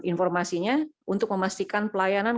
informasinya untuk memastikan pelayanan